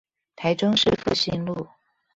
台中市復興路